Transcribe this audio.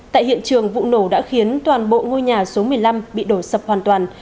tại hiện trường vụ nổ đã khiến toàn bộ ngôi nhà số một mươi năm bị đổ sập hoàn toàn